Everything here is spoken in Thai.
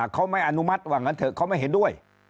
เขาไม่อนุมัติว่างั้นเถอะเขาไม่เห็นด้วย